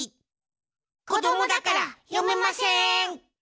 こどもだからよめません。